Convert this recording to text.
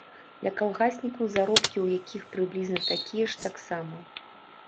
Для калгаснікаў, заробкі ў якіх прыблізна такія ж, таксама.